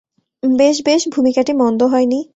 বেশ বেশ, ভূমিকাটি মন্দ হয় নি।